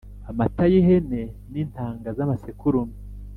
Amata y ihene n intanga z amasekurume